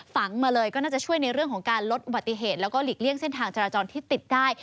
มาเลยก็น่าจะช่วยในเรื่องของการลดอุบัติเหตุแล้วก็หลีกเลี่ยงเส้นทางจราจรที่ติดได้